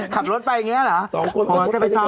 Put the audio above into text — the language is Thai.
ขับรถไปอย่างนี้เหรอ